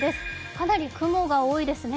かなり雲が多いですね。